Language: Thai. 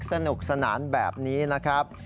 สนุกสนานแบบนี้นะครับ